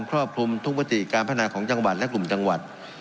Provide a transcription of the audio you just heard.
ครอบคลุมทุกมติการพัฒนาของจังหวัดและกลุ่มจังหวัด